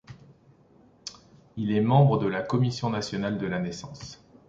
Il est membre de la Commission nationale de la naissance.